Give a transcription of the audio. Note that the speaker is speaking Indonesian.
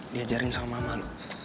diajarin sama mama lo